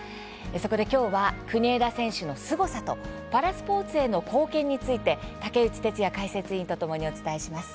そこで、きょうは国枝選手のすごさとパラスポーツへの貢献について竹内哲哉解説委員とともにお伝えします。